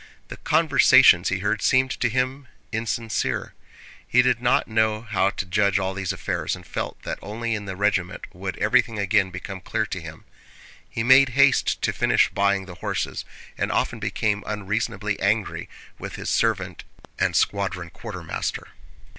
The conversations he heard seemed to him insincere; he did not know how to judge all these affairs and felt that only in the regiment would everything again become clear to him. He made haste to finish buying the horses, and often became unreasonably angry with his servant and squadron quartermaster.